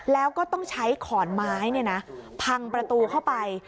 แล้วก็ต้องใช้ขอนไม้พังประตูเข้าไป